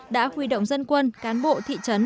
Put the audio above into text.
đã huy động dân quân cán bộ thị trấn